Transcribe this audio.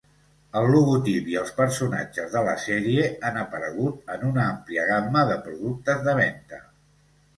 El logotip i els personatges de la sèrie han aparegut en una àmplia gamma de productes de venta.